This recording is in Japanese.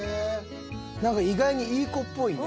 なんか意外にいい子っぽいね。